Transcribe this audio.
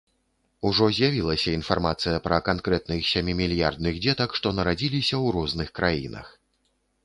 Ужо з'явілася інфармацыя пра канкрэтных сямімільярдных дзетак, што нарадзіліся ў розных краінах.